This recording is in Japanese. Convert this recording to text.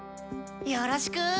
よろしく。